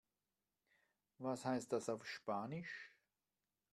Was heißt das auf Spanisch?